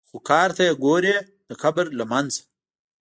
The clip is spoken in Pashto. خو کار ته یې ګورې د قبر له منځه.